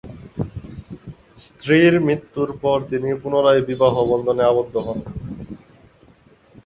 স্ত্রীর মৃত্যুর পর তিনি পুনরায় বিবাহ বন্ধনে আবদ্ধ হন।